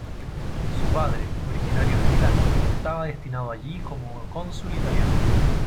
Su padre, originario de Milán, estaba destinado allí como cónsul italiano.